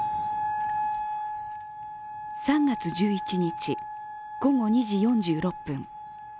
３月１１日午後２時４６分。